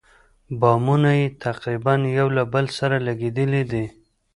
بامونه یې تقریباً یو له بل سره لګېدلي دي.